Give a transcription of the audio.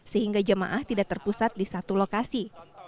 sehingga jemaah tidak terpusat di satu lokasi